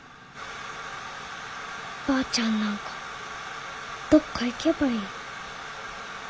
ばあちゃんなんかどっか行けばいい。